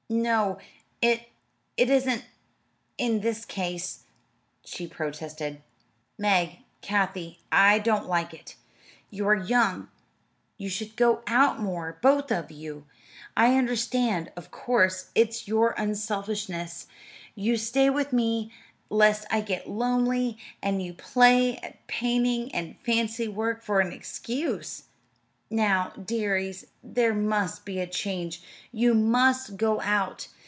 "No, it it isn't in this case," she protested. "Meg, Kathie, I don't like it. You are young; you should go out more both of you. I understand, of course; it's your unselfishness. You stay with me lest I get lonely; and you play at painting and fancy work for an excuse. Now, dearies, there must be a change. You must go out.